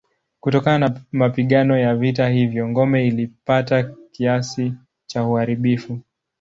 Kutokana na mapigano ya vita hivyo ngome ilipata kiasi cha uharibifu.